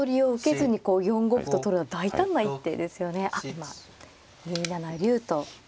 今２七竜と。